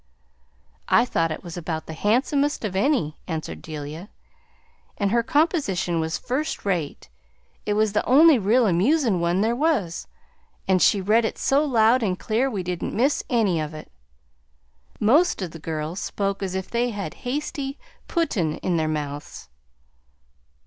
"I thought it was about the handsomest of any," answered Delia; "and her composition was first rate. It was the only real amusin' one there was, and she read it so loud and clear we didn't miss any of it; most o' the girls spoke as if they had hasty pudtin' in their mouths."